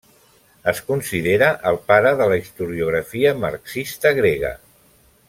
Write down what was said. Es considera el pare de la historiografia marxista grega.